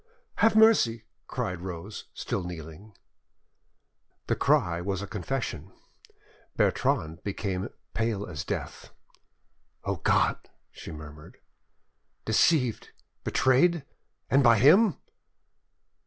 "Have mercy!" cried Rose, still kneeling. The cry was a confession. Bertrande became pate as death. "O God!" she murmured, "deceived, betrayed—and by him!"